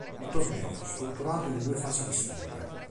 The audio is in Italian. Il torneo fu strutturato in due fasi distinte.